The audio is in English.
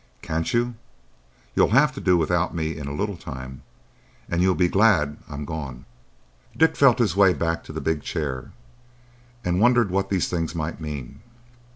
"Can't you? You'll have to do without me in a little time, and you'll be glad I'm gone." Dick felt his way back to the big chair, and wondered what these things might mean.